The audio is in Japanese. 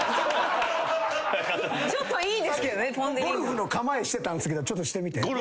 さっきゴルフの構えしてたんすけどちょっとしてみて。